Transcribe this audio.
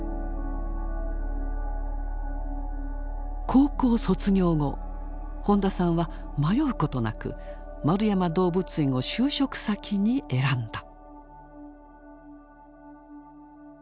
高校卒業後本田さんは迷うことなく円山動物園を就職先に選んだ。